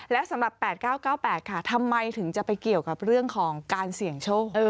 และสำหรับ๘๙๙๘ค่ะทำไมถึงจะไปเกี่ยวกับเรื่องของการเสี่ยงโชค